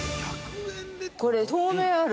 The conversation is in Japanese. ◆これ、透明ある？